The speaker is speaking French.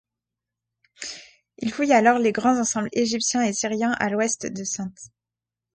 Il fouille alors les grands ensembles égyptiens et syriens à l'ouest de Cynthe.